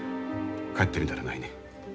帰ってみたらないねん。